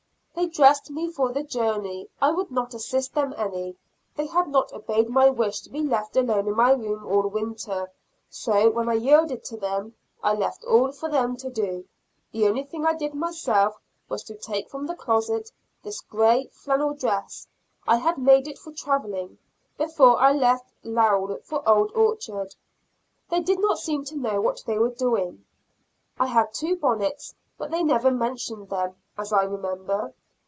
They dressed me for the journey; I would not assist them any; they had not obeyed my wish to be left alone in my room all winter; so, when I yielded to them, I left all for them to do; the only thing I did myself was to take from the closet this grey flannel dress I had made it for traveling, before I left Lowell for Old Orchard. They did not seem to know what they were doing. I had two bonnets, but they never mentioned them, as I remember.